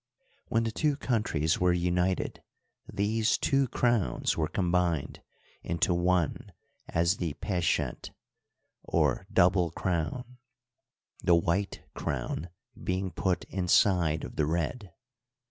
When the two countries were united these two crowns were combined into one as the peshent, or double crown — the white crown being put inside of the red.